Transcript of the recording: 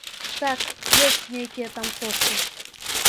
Так, ёсць нейкія там кошты.